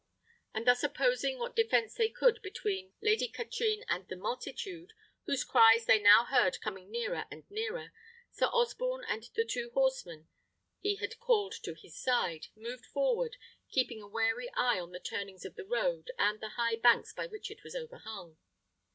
And thus opposing what defence they could between Lady Katrine and the multitude, whose cries they now heard coming nearer and nearer, Sir Osborne and the two horsemen he had called to his side, moved forward, keeping a wary eye on the turnings of the road and the high banks by which it was overhung.